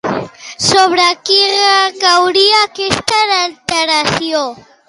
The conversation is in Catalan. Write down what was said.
Sobre qui recauria aquesta alteració?